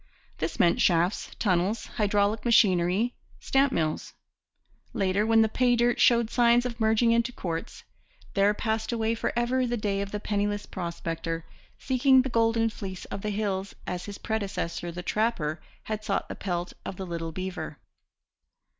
This meant shafts, tunnels, hydraulic machinery, stamp mills. Later, when the pay dirt showed signs of merging into quartz, there passed away for ever the day of the penniless prospector seeking the golden fleece of the hills as his predecessor, the trapper, had sought the pelt of the little beaver.